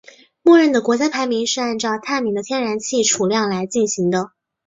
默认的国家排名是按照探明的天然气储量来进行的。